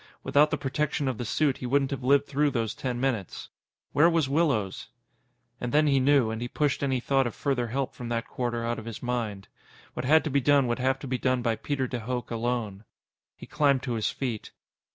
Without the protection of the suit, he wouldn't have lived through those ten minutes. Where was Willows? And then he knew, and he pushed any thought of further help from that quarter out of his mind. What had to be done would have to be done by Peter de Hooch alone. He climbed to his feet.